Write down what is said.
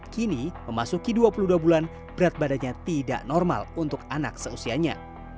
kini memasuki dua puluh dua bulan berat badannya tidak normal untuk anak seusianya